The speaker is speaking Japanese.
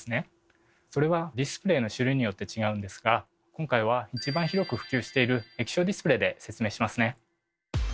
それはディスプレーの種類によって違うんですが今回は一番広く普及している液晶ディスプレーで説明しますね。